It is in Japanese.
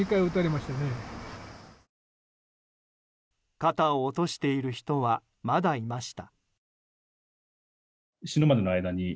肩を落としている人はまだいました。